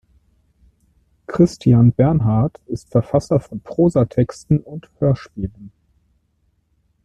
Christian Bernhardt ist Verfasser von Prosatexten und Hörspielen.